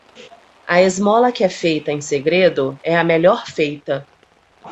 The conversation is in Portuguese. A esmola que é feita em segredo é a melhor feita.